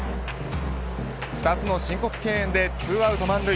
２つの申告敬遠で２アウト満塁。